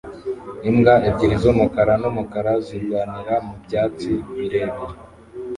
Imbwa ebyiri z'umukara n'umukara zirwanira mu byatsi birebire